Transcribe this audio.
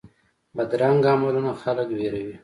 بدرنګه عملونه خلک ویروي